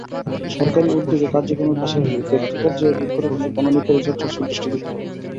সরকারি উদ্যোগ কার্যক্রমের পাশাপাশি ব্যক্তিপর্যায়েও বৃক্ষরোপণ ও বনানী পরিচর্যায় সুদৃষ্টি দিতে হবে।